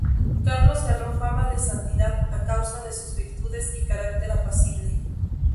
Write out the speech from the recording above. Carlos ganó fama de santidad a causa de sus virtudes y carácter apacible.